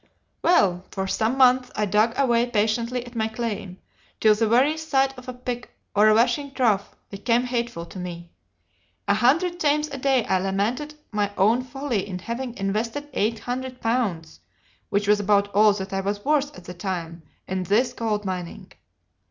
"Well, for some months I dug away patiently at my claim, till the very sight of a pick or of a washing trough became hateful to me. A hundred times a day I lamented my own folly in having invested eight hundred pounds, which was about all that I was worth at the time, in this gold mining.